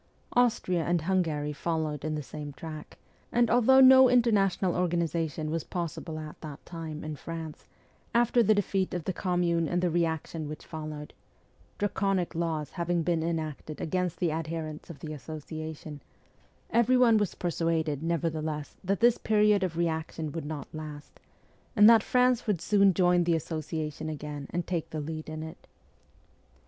Austria and Hungary followed in the same track ; and although no international organization w r as possible at that time in France, after the defeat of the Commune and the re action which followed (Draconic laws having been enacted against the adherents of the Association), everyone was persuaded, nevertheless, that this period of reaction would not last, and that France would soon join the Association again and take the lead in it.